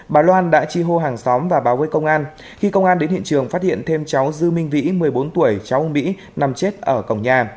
bà loan đã chi hô hàng xóm và báo với công an khi công an đến hiện trường phát hiện thêm cháu dư minh vĩ một mươi bốn tuổi cháu ông mỹ nằm chết ở cổng nhà